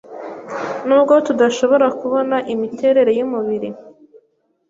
Nubwo tudashobora kubona imiterere yumubiri